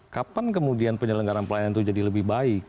kapan kemudian penyelenggaran pelayanan itu jadi lebih baik